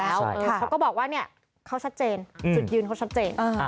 เขาก็บอกว่าเนี่ยเขาชัดเจนจุดยืนเขาชัดเจน